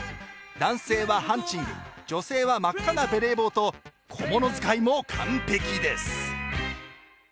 男性はハンチング女性は真っ赤なベレー帽と小物使いも完璧です。